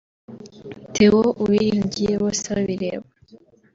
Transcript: ’Theo Uwiringiye Bosebabireba’